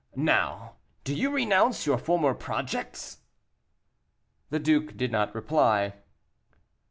Now, do you renounce your former projects?" The duke did not reply.